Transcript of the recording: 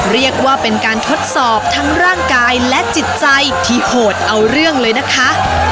เรียกว่าเป็นการทดสอบทั้งร่างกายและจิตใจที่โหดเอาเรื่องเลยนะคะ